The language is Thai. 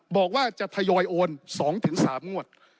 บอกว่าจะทยอยโอน๒๓งวด